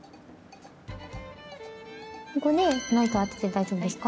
ここでライト当てて大丈夫ですか？